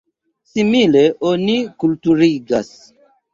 Simile oni kulturigas.